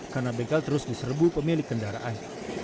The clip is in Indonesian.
karena bengkel terus diserbu pemilik kendaraan